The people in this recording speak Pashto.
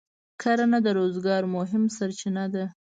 کرنه د روزګار مهمه سرچینه ده.